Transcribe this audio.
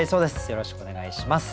よろしくお願いします。